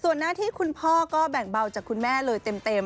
ส่วนหน้าที่คุณพ่อก็แบ่งเบาจากคุณแม่เลยเต็ม